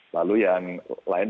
lalu yang lain